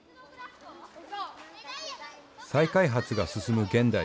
再開発が進む現代。